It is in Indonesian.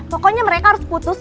pokoknya mereka harus putus